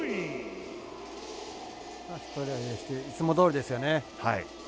いつもどおりですよね。